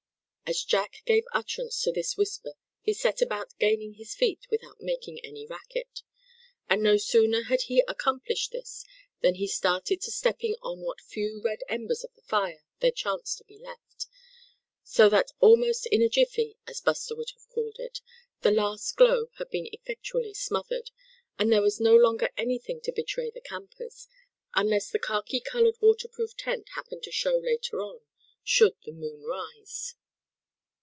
As Jack gave utterance to this whisper he set about gaining his feet without making any racket. And no sooner had he accomplished this than he started to stepping on what few red embers of the fire there chanced to be left; so that almost in a "jiffy," as Buster would have called it, the last glow had been effectually smothered, and there was no longer anything to betray the campers, unless the khaki colored water proof tent happened to show later on, should the moon rise.